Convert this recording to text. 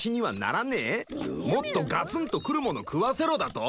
もっとガツンとくるもの食わせろだと？